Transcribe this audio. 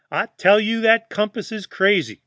I tell you that compass is crazy.'